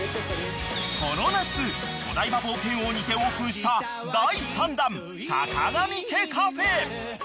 ［この夏お台場冒険王にてオープンした第３弾さかがみ家カフェ］